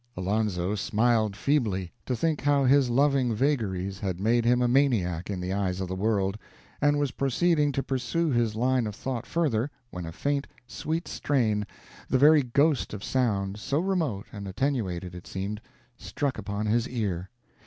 Alonzo smiled feebly to think how his loving vagaries had made him a maniac in the eyes of the world, and was proceeding to pursue his line of thought further, when a faint, sweet strain, the very ghost of sound, so remote and attenuated it seemed, struck upon his ear.